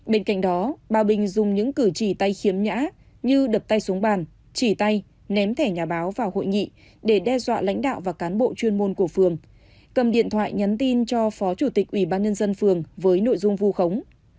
bên cạnh đó bà bình dùng những cử chỉ tay khiếm nhã như đập tay súng bàn chỉ tay ném thẻ nhà báo vào hội nghị để đe dọa lãnh đạo và cán bộ chuyên môn của phường cầm điện thoại nhắn tin cho phó chủ tịch ủy ban nhân dân phường với nội dung vu khống